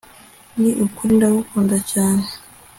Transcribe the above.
ni ukuri ndagukunda cyane